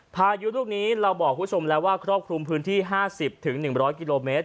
พายุลูกนี้เราบอกคุณผู้ชมแล้วว่าครอบคลุมพื้นที่๕๐๑๐๐กิโลเมตร